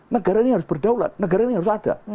negara ini harus berdaulat negara ini harus ada